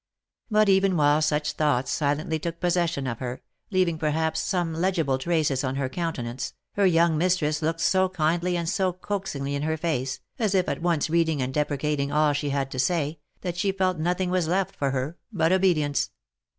But even while such thoughts silently took possession of her, leaving perhaps some legible traces on her coun tenance, her young mistress looked so kindly and so coaxingly in her face, as if at once reading and deprecating all she had to say, that she felt nothing was left for her but obedience.